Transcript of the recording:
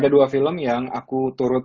ada dua film yang aku turut